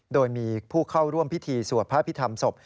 โดยมีผู้เข้าร่วมพิธีสวดพระพิธรรมศพ